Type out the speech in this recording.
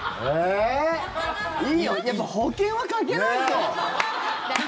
やっぱ保険はかけないと。